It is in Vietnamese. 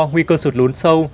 nguy cơ sụt lún sâu